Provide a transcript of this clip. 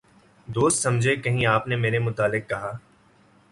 دوست سمجھے کہیں آپ نے میرے متعلق کہا